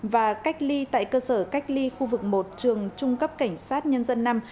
và cách ly tại cơ sở cách ly khu vực một trường trung cấp cảnh sát nhân dân năm